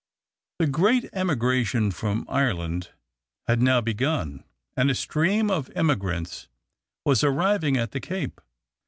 The great emigration from Ireland had now begun, and a stream of immigrants was arriving at the Cape.